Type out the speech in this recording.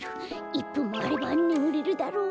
１ぷんもあればねむれるだろう。